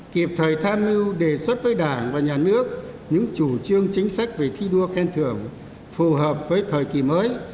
kịp thời tham mưu đề xuất với đảng và nhà nước những chủ trương chính sách về thi đua khen thưởng phù hợp với thời kỳ mới